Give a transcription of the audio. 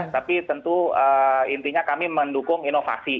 tapi tentu intinya kami mendukung inovasi